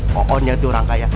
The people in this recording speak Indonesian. pokoknya itu orang kaya